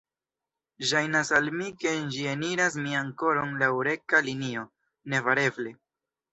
Ŝajnas al mi ke ĝi eniras mian koron laŭ rekta linio, nebareble.